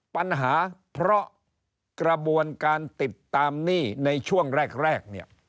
ปัญหาเพราะกระบวนการติดตามหนี้ในช่วงแรกเนี่ย